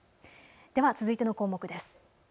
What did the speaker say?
では続いての項目です。